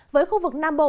với khu vực nam bộ